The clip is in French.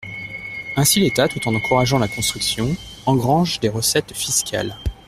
Ainsi l’État, tout en encourageant la construction, engrange des recettes fiscales.